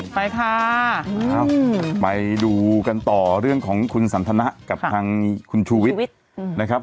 ไปค่ะไปดูกันต่อเรื่องของคุณสันทนะกับทางคุณชูวิทย์นะครับ